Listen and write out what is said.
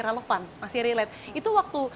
relevan masih relate itu waktu